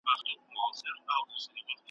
غازي د چا وو یتیم څوک وو پلار یې چا وژلی؟ `